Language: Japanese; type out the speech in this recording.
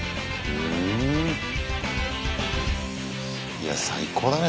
いや最高だね